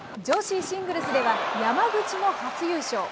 女子シングルスでは山口も初優勝。